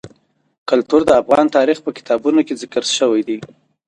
کلتور د افغان تاریخ په کتابونو کې ذکر شوی دي.